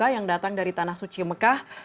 yang datang dari tanah suci mekah